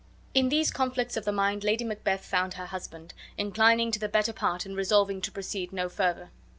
In these conflicts of the mind Lady Macbeth found her husband inclining to the better part and resolving to proceed no further.